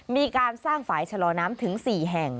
มีการสร้างฝ่ายชะลอน้ำถึง๔แห่ง